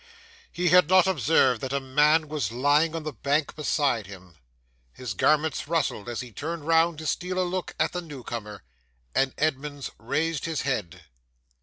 'He had not observed that a man was lying on the bank beside him; his garments rustled as he turned round to steal a look at the new comer; and Edmunds raised his head.